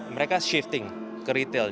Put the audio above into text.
mereka shifting ke retail